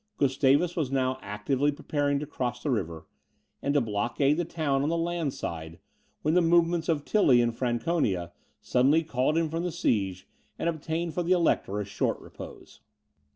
Gustavus was now actively preparing to cross the river, and to blockade the town on the land side, when the movements of Tilly in Franconia suddenly called him from the siege, and obtained for the Elector a short repose.